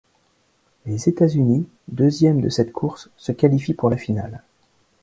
Les États-Unis, deuxièmes de cette course, se qualifient pour la finale.